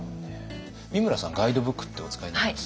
美村さんガイドブックってお使いになります？